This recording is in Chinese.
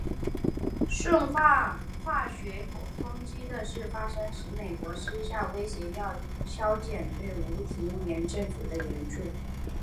顺化化学攻击的事发使美国私下威胁要削减对吴廷琰政府的援助。